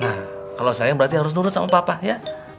nah kalau saya berarti harus nurut sama papa ya